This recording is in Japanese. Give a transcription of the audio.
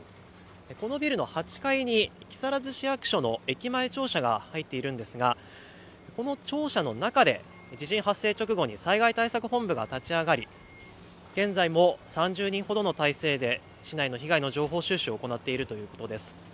このビルの８階に木更津市役所の駅前庁舎が入っているんですが、この庁舎の中で地震発生直後に災害対策本部が立ち上がり現在も３０人ほどの態勢で市内の被害の情報収集を行っているということです。